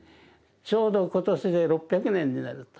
ちょうど今年で６００年になると。